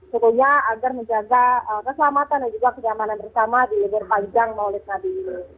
sebenarnya agar menjaga keselamatan dan juga kejamanan bersama di lebar panjang maulid nabi